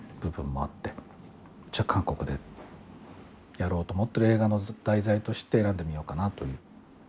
じゃあ、韓国でやろうと思っている映画の題材として選んでみようかなという。